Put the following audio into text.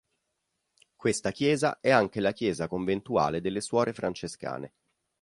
Questa chiesa è anche la chiesa conventuale delle suore francescane.